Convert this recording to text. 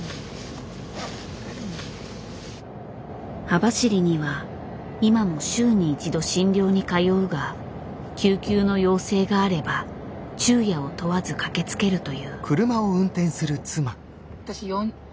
網走には今も週に一度診療に通うが救急の要請があれば昼夜を問わず駆けつけるという。